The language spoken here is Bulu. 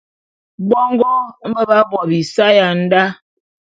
Bongo mbe b'á bo bisae ya ndá.